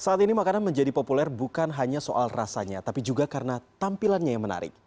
saat ini makanan menjadi populer bukan hanya soal rasanya tapi juga karena tampilannya yang menarik